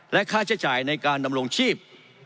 และค่าใช้จ่ายในการดำรงชีพ